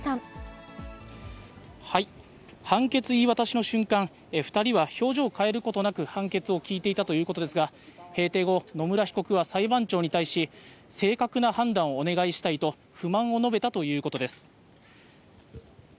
判決言い渡しの瞬間、２人は表情を変えることなく、判決を聞いていたということですが、閉廷後、野村被告は裁判長に対し、正確な判断をお願いしたいと、不満を述べたということです。